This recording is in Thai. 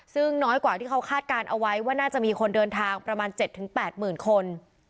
ซึ่งน้อยกว่าที่เขาคาดการณ์เอาไว้ว่าน่าจะมีคนเดินทางประมาณ๗๘๐๐๐คน